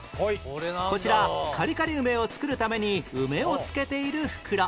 こちらカリカリ梅を作るために梅を漬けている袋